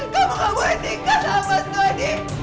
kamu gak boleh nikah sama mas dodi